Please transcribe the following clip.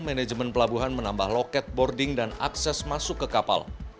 manajemen pelabuhan menambah loket boarding dan akses masuk ke kapal